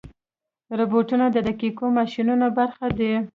روبوټونه د دقیقو ماشینونو برخه دي.